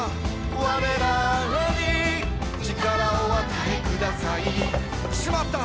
「われらに力をお与えください」「しまった！」